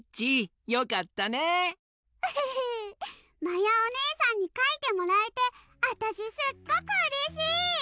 まやおねえさんにかいてもらえてあたしすっごくうれしい！